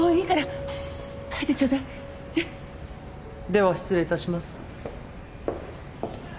では失礼致します。